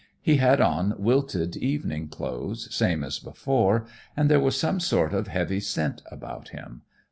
He had on wilted evening clothes, same as before, and there was some sort of heavy scent about him.